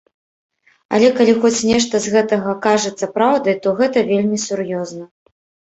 Але калі хоць нешта з гэтага акажацца праўдай, то гэта вельмі сур'ёзна.